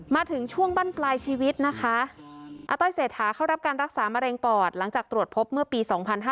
มาถึงช่วงบั้นปลายชีวิตนะคะอาต้อยเศรษฐาเข้ารับการรักษามะเร็งปอดหลังจากตรวจพบเมื่อปี๒๕๕๙